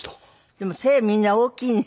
でも背みんな大きいね。